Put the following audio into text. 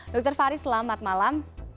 dr faris selamat malam